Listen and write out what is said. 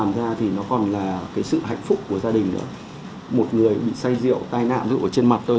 một người bị say rượu tai nạn rượu ở trên mặt tôi